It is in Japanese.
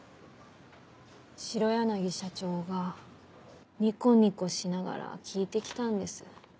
白柳社長がニコニコしながら聞いて来たんです。